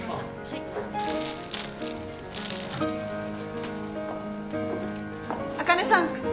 はい茜さん